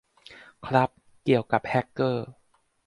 ครับ เกี่ยวกับ แฮกเกอร์